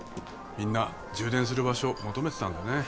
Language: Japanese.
みんな充電する場所求めてたんだね